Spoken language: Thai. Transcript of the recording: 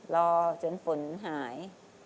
รอจนฝนหาย